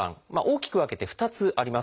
大きく分けて２つあります。